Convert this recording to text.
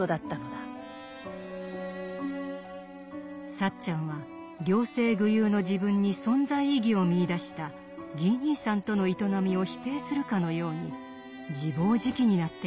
サッチャンは両性具有の自分に存在意義を見いだしたギー兄さんとの営みを否定するかのように自暴自棄になっていました。